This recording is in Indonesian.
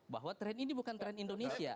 bahwa tren ini bukan tren indonesia